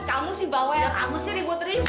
kamu sih bawa yang aku sih ribut ribut